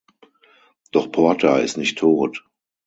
Doch Porter ist nicht tot.